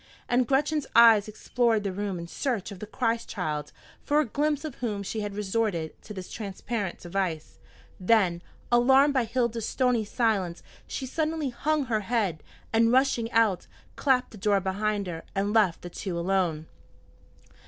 And Gretchen's eyes explored the room in search of the Christ child, for a glimpse of whom she had resorted to this transparent device. Then, alarmed by Hilda's stony silence, she suddenly hung her head, and, rushing out, clapped the door behind her, and left the two alone.